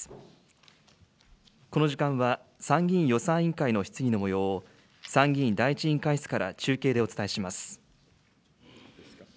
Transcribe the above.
この時間は、参議院予算委員会の質疑のもようを参議院第１委員会室から中継でお伝えします。